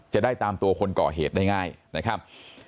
จะได้ตามตัวคนก่อเหตุได้ง่ายนะครับ